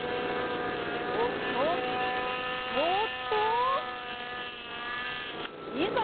そっとそっといざ！